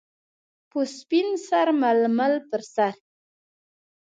- په سپین سر ململ پر سر.